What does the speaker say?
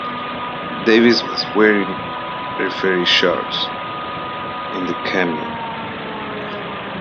Davis was wearing a referee shirt in the cameo.